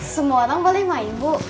semua orang boleh mainkan ibu